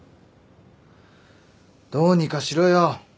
どうにかしろよ。